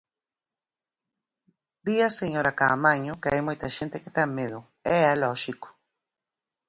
Di a señora Caamaño que hai moita xente que ten medo, e é lóxico.